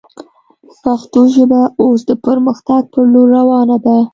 پښتو ژبه اوس د پرمختګ پر لور روانه ده